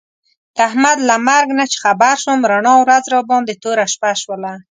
د احمد له مرګ نه چې خبر شوم، رڼا ورځ راباندې توره شپه شوله.